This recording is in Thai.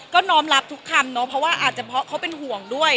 ก็นอมรับทุกคำเนาะเพราะว่าเขาเป็นห่วงด้วย